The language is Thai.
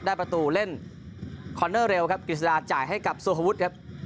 ประตูเล่นคอนเนอร์เร็วครับกฤษฎาจ่ายให้กับโซฮวุฒิครับ